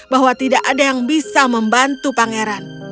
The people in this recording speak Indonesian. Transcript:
bahwa tidak ada yang bisa membantu pangeran